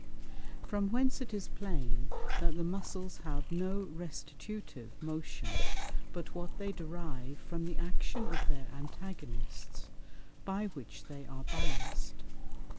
From whence it is plain, that the Muscles have no restitutive Motion, but what they derive from the Action of their Antagonists, by which they are balanc'd.